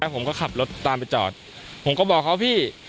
ผมก็ขับรถตามไปจอดผมก็บอกเขาพี่